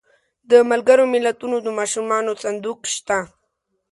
د ملګرو ملتونو د ماشومانو صندوق شته.